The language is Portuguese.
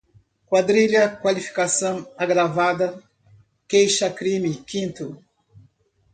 quadrilha, qualificação, agravada, queixa-crime, quinto